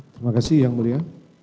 terima kasih yang mulia